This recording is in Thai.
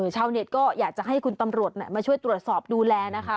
ชาวเน็ตก็อยากจะให้คุณตำรวจมาช่วยตรวจสอบดูแลนะคะ